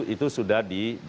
itu sudah diambil